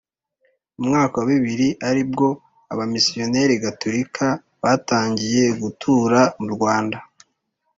umwaka wa bibiri, ari bwo Abamisiyonari gatolika batangiye gutura mu Rwanda